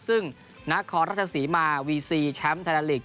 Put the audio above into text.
ซึ่งนครราชศรีมาวีซีแชมป์ไทยแลนลีก